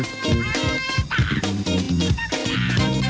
สดกว่าใคร